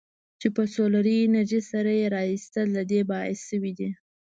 چې په سولري انرژۍ سره یې رایستل د دې باعث شویدي.